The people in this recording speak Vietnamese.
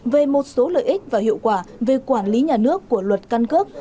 về một số lợi ích và hiệu quả về quản lý nhà nước của luật căn cước